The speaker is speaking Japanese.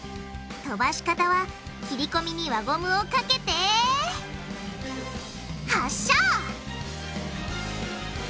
飛ばし方は切り込みに輪ゴムをかけて発射！